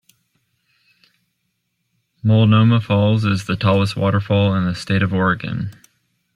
Multnomah Falls is the tallest waterfall in the state of Oregon.